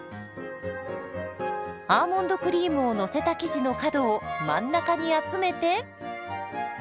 アーモンドクリームをのせた生地の角を真ん中に集めて。